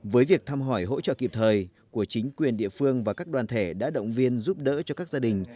với việc thăm hỏi hỗ trợ kịp thời của chính quyền địa phương và các đoàn thể đã động viên giúp đỡ cho các gia đình